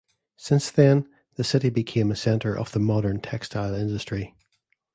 Since then, the city became a center of the modern textile industry.